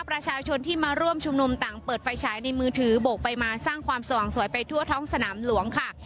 ประชาชนที่มาร่วมชุมนุมต่างเปิดไฟฉายในมือถือโบกไปมาสร้างความสว่างสวยไปทั่วท้องสนามหลวงค่ะ